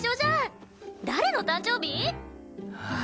誰の誕生日！？